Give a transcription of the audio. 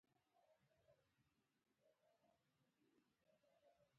هغوی پرته له دې چي نوم یې وپوښتي یا د کوم دین پیروۍ ده